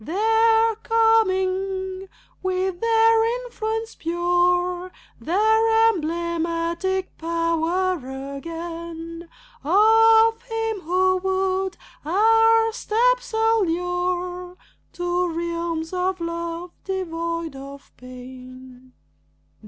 They're coming! With their influence pure, Their emblematic power again Of him who would our steps allure To realms of love, devoid of pain.